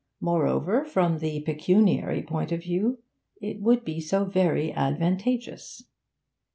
Moreover, from the pecuniary point of view, it would be so very advantageous.